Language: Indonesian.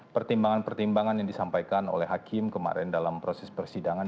pertimbangan pertimbangan yang disampaikan oleh hakim kemarin dalam proses persidangan